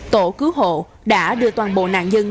tổ cứu hộ đã đưa toàn bộ nạn nhân